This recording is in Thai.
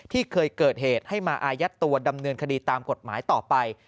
ที่เคยเกิดเหตุให้มาอายัดตัวดำเนินคดีตามกฎหมายต่อไป